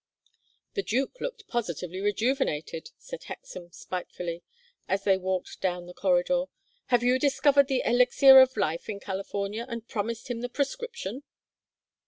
"The duke looked positively rejuvenated," said Hexam, spitefully, as they walked down the corridor. "Have you discovered the elixir of life in California, and promised him the prescription."